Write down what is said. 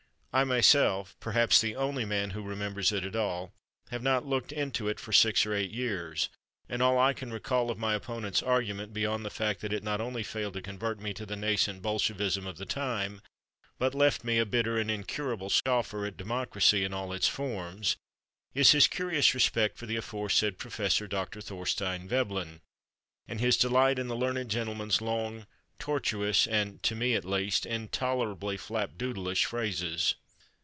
I myself, perhaps the only man who remembers it at all, have not looked into it for six or eight years, and all I can recall of my opponent's argument (beyond the fact that it not only failed to convert me to the nascent Bolshevism of the time, but left me a bitter and incurable scoffer at democracy in all its forms) is his curious respect for the aforesaid Prof. Dr. Thorstein Veblen, and his delight in the learned gentleman's long, tortuous and (to me, at least) intolerably flapdoodlish phrases.